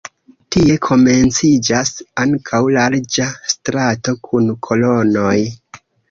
Tie komenciĝas ankaŭ larĝa strato kun kolonoj.